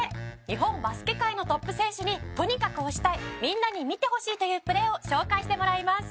日本バスケ界のトップ選手にとにかく推したいみんなに見てほしいというプレーを紹介してもらいます。